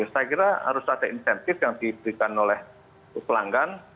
saya kira harus ada insentif yang diberikan oleh pelanggan